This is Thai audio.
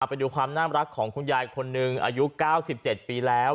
ไปดูความน่ารักของคุณยายคนหนึ่งอายุ๙๗ปีแล้ว